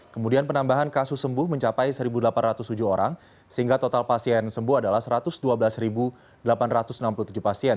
kemudian penambahan kasus sembuh mencapai satu delapan ratus tujuh orang sehingga total pasien sembuh adalah satu ratus dua belas delapan ratus enam puluh tujuh pasien